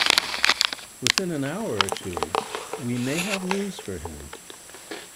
Within an hour or two we may have news for him.